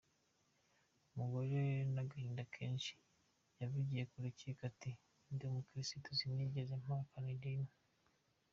Umugore n’agahinda kenshi, yavugiye mu rukiko ati “Ndi umukristu, sinigeze mpakana idini”.